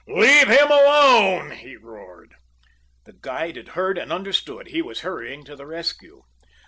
"Leave him alone!" he roared. The guide had heard and understood. He was hurrying to the rescue.